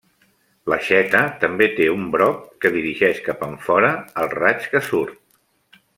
L'aixeta també té un broc que dirigeix cap enfora el raig que surt.